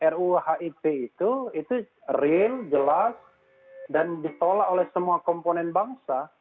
ruhip itu itu real jelas dan ditolak oleh semua komponen bangsa